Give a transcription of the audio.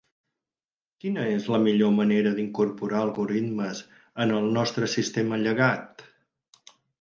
Quina és la millor manera d'incorporar algoritmes en el nostre sistema llegat?